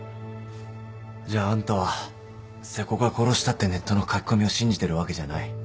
じゃああんたは「瀬古が殺した」ってネットの書き込みを信じてるわけじゃない。